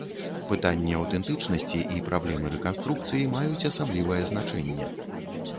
Пытанні аўтэнтычнасці і праблемы рэканструкцыі маюць асаблівае значэнне.